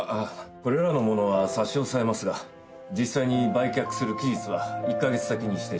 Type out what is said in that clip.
これらのものは差し押さえますが実際に売却する期日は１カ月先に指定します。